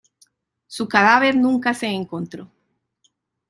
Su cadáver nunca se encontró.